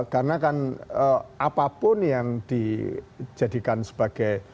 karena kan apapun yang dijadikan sebagai